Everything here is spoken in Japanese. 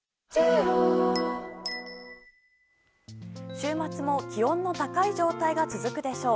週末も、気温の高い状態が続くでしょう。